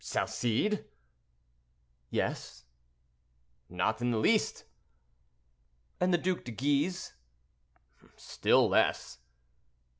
"Salcede?"—"Yes." "Not in the least." "And the Duc de Guise?" "Still less."